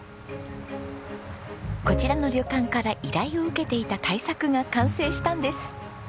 こちらの旅館から依頼を受けていた大作が完成したんです。